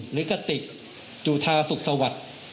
หรือกติกจุธาสุขสวรรค